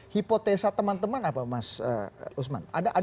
hipotesa teman teman apa mas usman